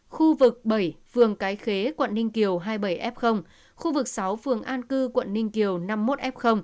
khu vực bảy phường cái khế quận ninh kiều hai mươi bảy f khu vực sáu phường an cư quận ninh kiều năm mươi một f